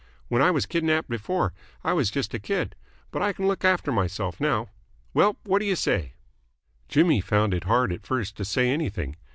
When I was kidnapped before, I was just a kid, but I can look after myself now. Well, what do you say?" Jimmy found it hard at first to say anything.